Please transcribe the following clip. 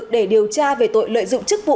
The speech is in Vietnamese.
để điều tra về tội lợi dụng chức vụ